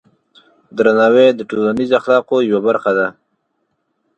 درناوی د ټولنیز اخلاقو یوه برخه ده.